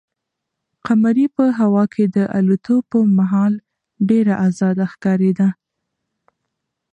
قمرۍ په هوا کې د الوتلو پر مهال ډېره ازاده ښکارېده.